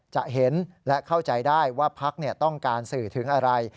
จะเห็นและเข้าใจได้ว่าพักต้องการสื่อถึงอะไร